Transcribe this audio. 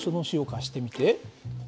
貸してみて。